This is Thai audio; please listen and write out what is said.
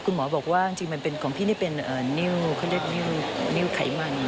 ครูหมอบอกว่าของพี่เป็นเนื้อไขมัน